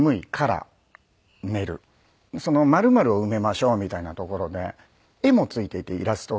その「まるまる」を埋めましょうみたいなところで絵もついていてイラストが。